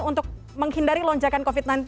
untuk menghindari lonjakan covid sembilan belas